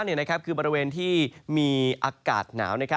คือบริเวณที่มีอากาศหนาว